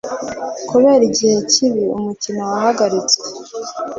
kubera ibihe bibi, umukino wahagaritswe.